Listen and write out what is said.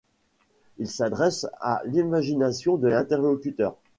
Il s'adresse à l'imagination de l'interlocuteur.